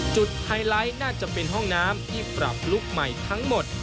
ไฮไลท์น่าจะเป็นห้องน้ำที่ปรับลุคใหม่ทั้งหมด